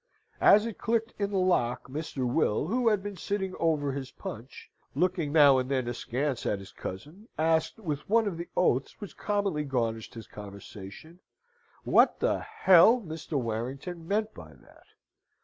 As it clicked in the lock, Mr. Will, who had been sitting over his punch, looking now and then askance at his cousin, asked, with one of the oaths which commonly garnished his conversation, what the Mr. Warrington meant by that?